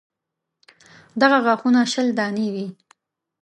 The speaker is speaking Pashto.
دغه غاښونه شل دانې وي.